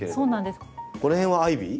これはアイビー？